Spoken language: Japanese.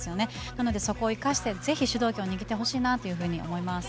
なので、そこを生かしてぜひ主導権を握ってほしいなと思います。